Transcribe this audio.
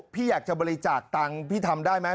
พี่อยากจะบริจาคตังค์พี่ทำได้ไหม